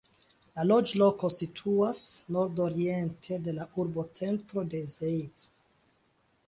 La loĝloko situas nordoriente de la urbocentro de Zeitz.